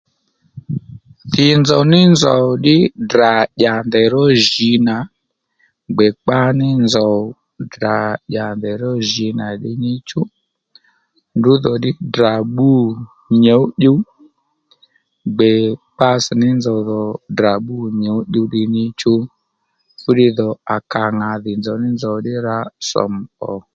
Dhì nzòw ní nzòw ddí Ddrà tdyà ndèy ró jǐ nà gbè kpaní nzòw Ddrà tdyà ndèy ró jǐ nà ddiy níchú ndrǔ dho ddí Ddrà bbû nyǒ'wiy gbè kptss̀ ní nzòw dhò Ddrà bbû nyǒ'wiy ddiy níchú fúddiy dhò à kà ŋà dhì nzòw ní nzòw ddí rǎ sòmù ò